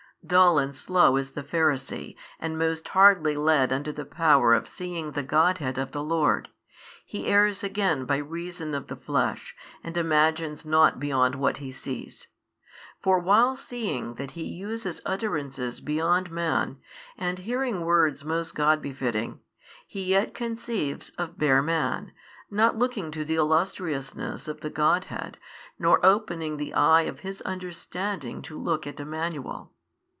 Dull and slow is the Pharisee, and most hardly led unto the power of seeing the Godhead of the Lord: he errs again by reason of the flesh, and imagines nought beyond what he sees. For while seeing that He uses utterances beyond man and hearing words most God befitting, he yet conceives of bare man, not looking to the illustriousness of the Godhead nor opening the eye of his understanding to look at Emmanuel.